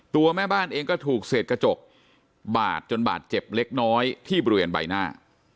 ตัวแม่บ้านเองก็ถูกเศษกระจกบาดจนบาดเจ็บเล็กน้อยที่บริเวณใบหน้า